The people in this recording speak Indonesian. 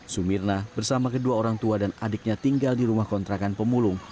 sumirna bersama kedua orang tua dan adiknya tinggal di rumah kontrakan pemulung